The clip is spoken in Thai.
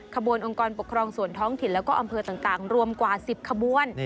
องค์กรปกครองส่วนท้องถิ่นแล้วก็อำเภอต่างรวมกว่า๑๐ขบวน